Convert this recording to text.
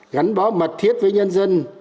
gắn bó mật thiết với nhân dân